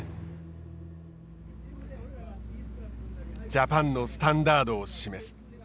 ジャパンのスタンダードを示す。